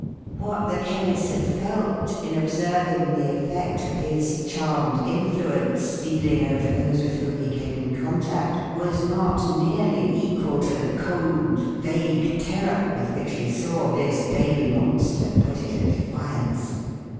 What the Chemist had felt, in observing the effect of his charmed influence stealing over those with whom he came in contact, was not nearly equal to the cold vague terror with which he saw this baby monster put it at defiance.